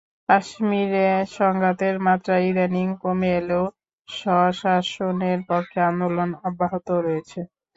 কাশ্মীরে সংঘাতের মাত্রা ইদানীং কমে এলেও স্বশাসনের পক্ষে আন্দোলন অব্যাহত রয়েছে।